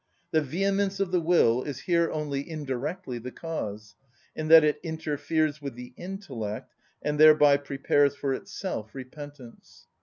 The vehemence of the will is here only indirectly the cause, in that it interferes with the intellect, and thereby prepares for itself repentance.